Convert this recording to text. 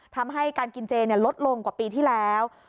ทำให้การกินเจลดลงกว่าปีที่แล้ว